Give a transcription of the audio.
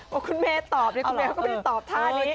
คุณแม่ตอบนี่คุณแม่ก็ไม่ได้ตอบท่านี้